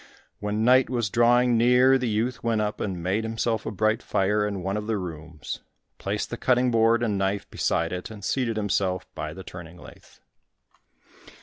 When night was drawing near, the youth went up and made himself a bright fire in one of the rooms, placed the cutting board and knife beside it, and seated himself by the turning lathe.